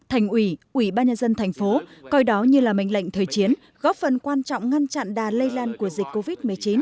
thành ủy ủy ban nhân dân thành phố coi đó như là mệnh lệnh thời chiến góp phần quan trọng ngăn chặn đà lây lan của dịch covid một mươi chín